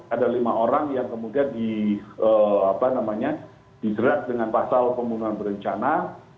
ada lima orang yang kemudian dijerat dengan pasal pembunuhan berencana